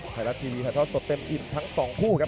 ไทยรัตท์ทีวีไทยท่อสสดเต็มอิ่มทั้งสองคู่ครับ